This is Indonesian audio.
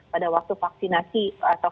pada waktu vaksinasi atau